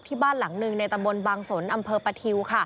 บ้านหลังหนึ่งในตำบลบางสนอำเภอปะทิว